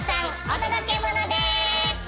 お届けモノです！